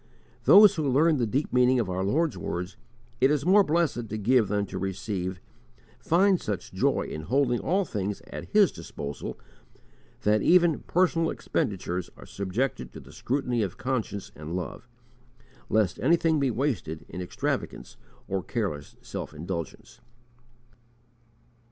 Those who learn the deep meaning of our Lord's words, "It is more blessed to give than to receive," find such joy in holding all things at His disposal that even personal expenditures are subjected to the scrutiny of conscience and love, lest anything be wasted in extravagance or careless self indulgence.